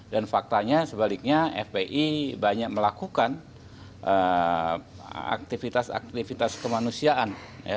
dan faktanya sebaliknya fpi banyak melakukan aktivitas aktivitas kemanusiaan